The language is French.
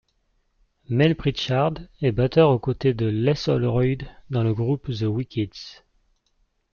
Mel Pritchard est batteur aux côtés de Les Holroyd dans le groupe The Wickeds.